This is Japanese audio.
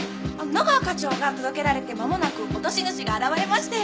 野川課長が届けられて間もなく落とし主が現れまして。